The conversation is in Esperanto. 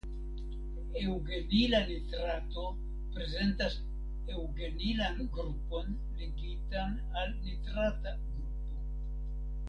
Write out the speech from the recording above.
Eŭgenila nitrato prezentas eŭgenilan grupon ligitan al nitrata grupo.